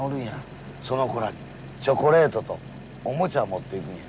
その子らにチョコレートとおもちゃを持っていくんや。